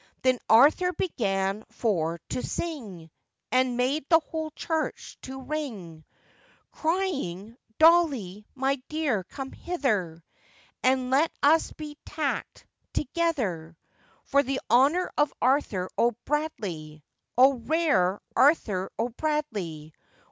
Then Arthur began for to sing, And made the whole church to ring; Crying, 'Dolly, my dear, come hither, And let us be tacked together; For the honour of Arthur O'Bradley!' O! rare Arthur O'Bradley!